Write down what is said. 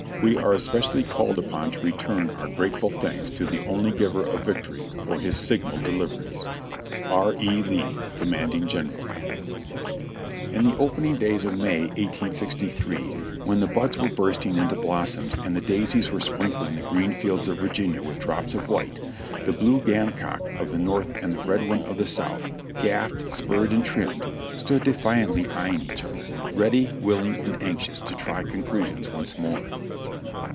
"We are especially called upon to return our grateful thanks to the only Giver of Victory for his signal deliverance. "R. E. Lee, ''Commanding General/' In the opening days of May, 1863, when the buds were burst ing into blossoms and the daisies were sprinkHng the green fields of Virginia with drops of white, the blue gamecock of the North and the red one of the South, gaffed, spurred and trimmed, stood defiantly eyeing each other, ready, willing and anxious to try conclusions once more.